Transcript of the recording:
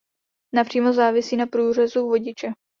Nepřímo závisí na průřezu vodiče.